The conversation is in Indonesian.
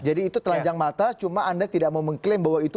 jadi itu telanjang mata cuma anda tidak mau mengklaim bahwa itu